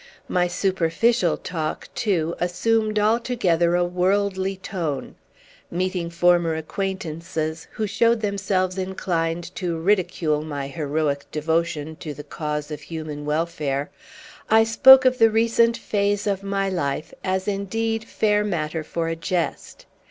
My superficial talk, too, assumed altogether a worldly tone. Meeting former acquaintances, who showed themselves inclined to ridicule my heroic devotion to the cause of human welfare, I spoke of the recent phase of my life as indeed fair matter for a jest.